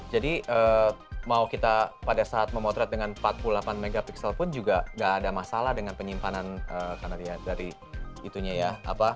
jadi mau kita pada saat memotret dengan empat puluh delapan mp pun juga gak ada masalah dengan penyimpanan karena dia dari itunya ya